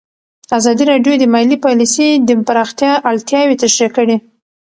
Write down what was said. ازادي راډیو د مالي پالیسي د پراختیا اړتیاوې تشریح کړي.